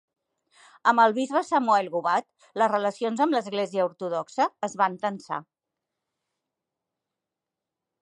Amb el bisbe Samuel Gobat, les relacions amb l'església ortodoxa es van tensar.